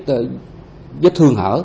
dấu viết thương hở